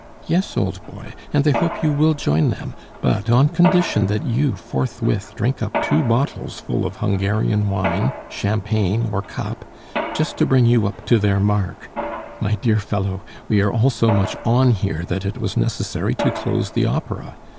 Yes, old boy, and they hope you will join them, but on condition that you forthwith drink up to two bottles full of Hungarian wine, Champagne, or Cape, just to bring you up to their mark. My dear fellow, we are all so much on here, that it was necessary to close the Opera.